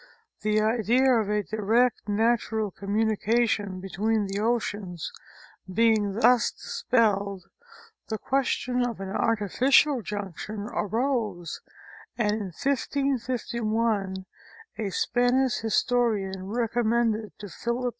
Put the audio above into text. The idea of a direct natural communication between the oceans being thus dispelled, the question of an artificial junction arose, and in 1551 a Spanish historian recommended to Philip II.